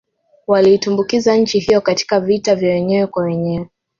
Waliitumbukiza nchi hiyo katika vita vya wenyewe kwa wenyewe